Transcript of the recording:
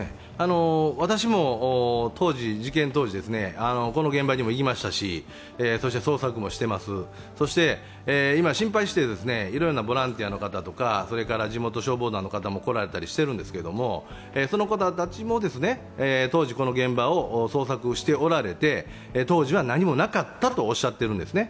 私も事件当時、この現場にも行きましたしそして捜索もしています、そして今心配していろいろなボランティアの方や地元消防団の方も来られたりしているんですけど、その方たちも、当時この現場を捜索しておられて当時は何もなかったとおっしゃっているんですね。